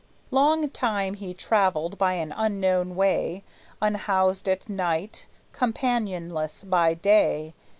Long time he traveled by an unknown way, Unhoused at night, companionless by day.